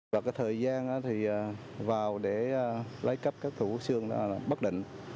và cái thời gian thì vào để lấy cắp các thủ xương là bất định